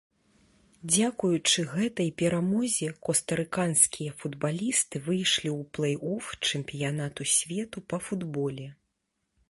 Дзякуючы гэтай перамозе костарыканскія футбалісты выйшлі ў плэй-оф чэмпіянату свету па футболе.